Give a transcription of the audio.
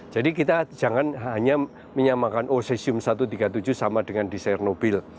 jadi kita jangan hanya menyamakan ocesium satu ratus tiga puluh tujuh sama dengan di sernobil